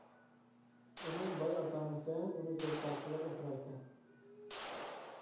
ئۇنىڭ باي ئاتا-ئانىسى ئۇنى كۆز قارىچۇقىدەك ئاسرايتتى.